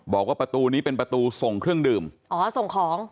บอกว่าประตูนี้เป็นประตูส่งเครื่องดื่มอ๋อส่งของ